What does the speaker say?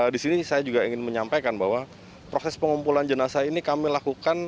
di sini saya juga ingin menyampaikan bahwa proses pengumpulan jenazah ini kami lakukan